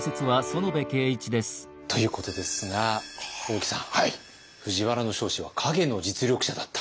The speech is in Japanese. ということですが大木さん藤原彰子は陰の実力者だった。